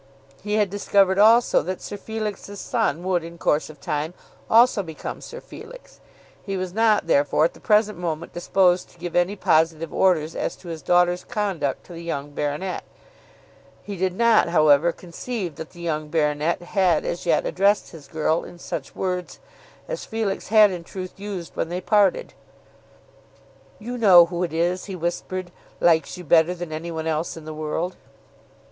He had discovered also that Sir Felix's son would in course of time also become Sir Felix. He was not therefore at the present moment disposed to give any positive orders as to his daughter's conduct to the young baronet. He did not, however, conceive that the young baronet had as yet addressed his girl in such words as Felix had in truth used when they parted. "You know who it is," he whispered, "likes you better than any one else in the world."